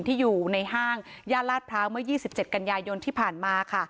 ที่อยู่ในห้างญาณราศพระกฏเมื่อ๒๗กันยายนที่ผ่านมา